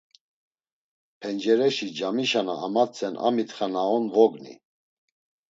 Pencereşi camişa na amatzen a mitxa na on vogni.